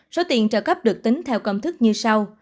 số tiền trợ cấp được tính theo công thức như sau